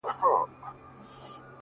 پير!! مُريد او ملا هم درپسې ژاړي!!